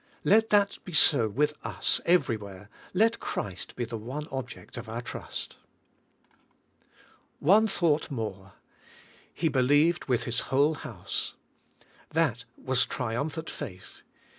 Let that be so with us ever3^where ; let Christ be the one object of our trust. One thought more, — he believed with his whole house. That was triumphant faith.